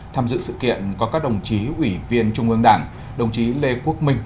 tham dự sự kiện có các đồng chí ủy viên trung ương đảng đồng chí lê quốc minh